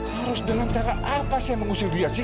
harus dengan cara apa sih yang mengusir dia sih